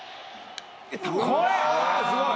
これ！